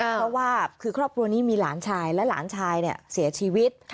เพราะว่าคือครอบครัวนี้มีหลานชายและหลานชายเสียชีวิต